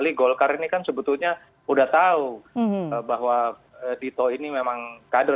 ini golkar ini kan sebetulnya udah tahu bahwa dito ini memang kader